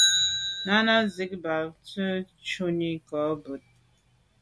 Náná zí bǎk ncwɛ́n bû shúnì kā bút.